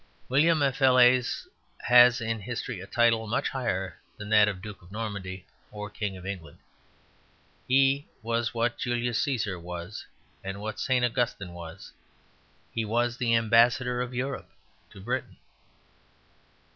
William of Falaise has in history a title much higher than that of Duke of Normandy or King of England. He was what Julius Cæsar was, and what St. Augustine was: he was the ambassador of Europe to Britain.